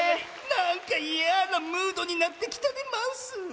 なんかいやなムードになってきたでマウス。